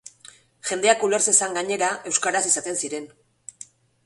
Jendeak uler zezan gainera, euskaraz izaten ziren.